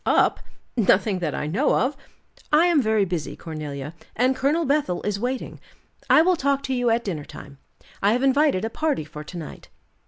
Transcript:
"Up! Nothing that I know of. I am very busy, Cornelia, and Colonel Bethel is waiting; I will talk to you at dinner time. I have invited a party for to night."